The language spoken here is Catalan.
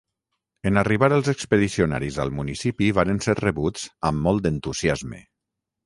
En arribar els expedicionaris al municipi varen ser rebuts amb molt d'entusiasme.